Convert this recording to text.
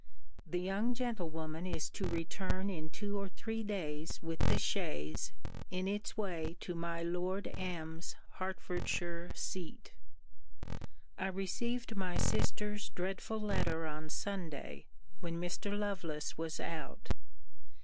The young gentlewoman is to return in two or three days with the chaise, in its way to my Lord M.'s Hertfordshire seat. I received my sister's dreadful letter on Sunday, when Mr. Lovelace was out.